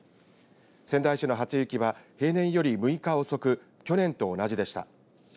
仙台市の初雪は平年より６日遅く去年と同じでした。